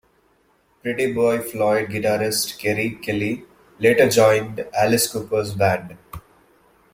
Pretty Boy Floyd guitarist Keri Kelli later joined Alice Cooper's band.